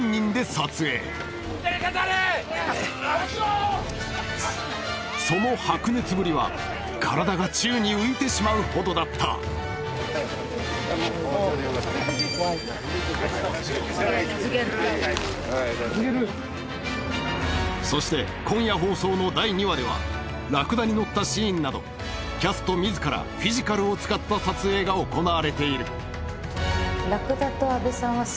撮影その白熱ぶりは体が宙に浮いてしまうほどだったそして今夜放送の第２話ではラクダに乗ったシーンなどキャスト自らフィジカルを使った撮影が行われているねっ！